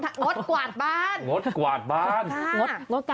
เอายังงั้นเลยหรือคะ